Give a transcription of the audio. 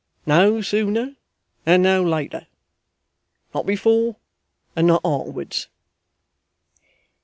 No sooner and no later. Not before and not arterwards.